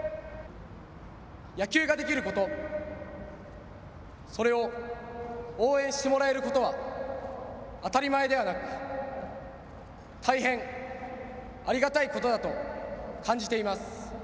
野球ができること、それを応援してもらえることは当たり前ではなく大変ありがたいことだと感じています。